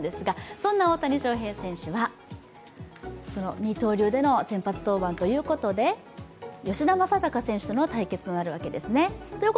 そんな大谷翔平選手は、二刀流での先発登板ということで、吉田正尚選手との対決となるわけですね。